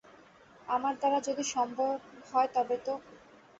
আমার দ্বারা যদি সম্ভব হয় তবে তো?